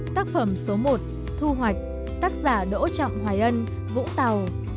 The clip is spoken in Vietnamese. tác phẩm số một thu hoạch tác giả đỗ trọng hoài ân vũng tàu